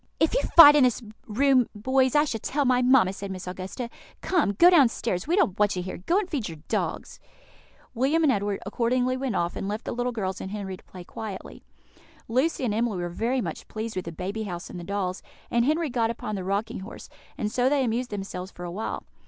"If you fight in this room, boys, I shall tell my mamma," said Miss Augusta. "Come, go downstairs; we don't want you here. Go and feed your dogs." William and Edward accordingly went off, and left the little girls and Henry to play quietly. Lucy and Emily were very much pleased with the baby house and the dolls, and Henry got upon the rocking horse; and so they amused themselves for a while.